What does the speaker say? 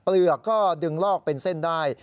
เปลือกก็ดึงลอกเป็นเส้นได้